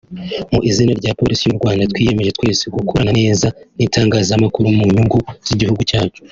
mu izina rya Polisi y’u Rwanda twiyemeje twese gukorana neza n’itangazamakuru mu nyungu z’igihugu cyacu